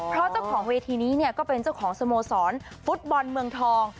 เพราะเจ้าของเวทีนี้เนี่ยก็เป็นเจ้าของสโมสรฟุตบอลเมืองทอง